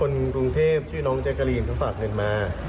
คนกรุงเทพชื่อน้องแจ๊กกะรีนเขาฝากเงินมา